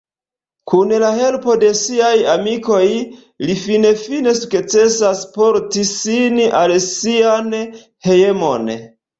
Kun la helpo de siaj amikoj, li finfine sukcesas porti ŝin al sian hejmon.